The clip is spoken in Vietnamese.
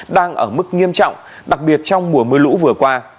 đang ở mức nghiêm trọng đặc biệt trong mùa mưa lũ vừa qua